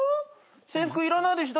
制服いらないでしょ。